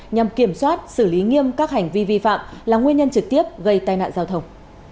nhằm kiểm soát xử lý nghiêm các hành vi vi phạm là nguyên nhân trực tiếp gây tai nạn giao thông